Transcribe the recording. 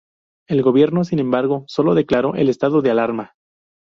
El gobierno, sin embargo, sólo declaró el estado de alarma.